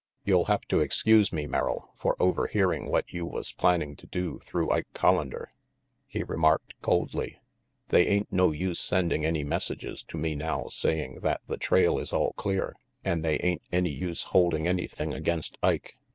"You'll have to excuse me, Merrill, for over hearing what you was planning to do through Ike Collander," he remarked coldly. "They ain't no use sending any messages to me ilow saying that the trail is all clear, and they ain't any use holding any thing against Ike.